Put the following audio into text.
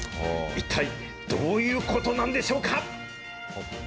一体、どういうことなんでしょうか？